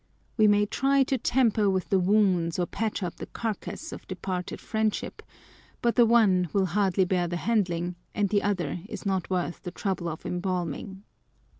We may try to tamper with the wounds or patch up the carcase of departed friendship ; but the one will hardly bear the handling, and the other is not wortl the trouble of embalming